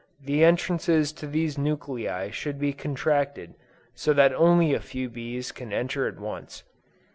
the entrances to these nuclei should be contracted, so that only a few bees can enter at once.